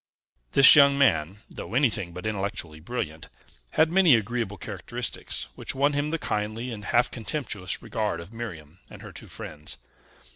This young man, though anything but intellectually brilliant, had many agreeable characteristics which won him the kindly and half contemptuous regard of Miriam and her two friends.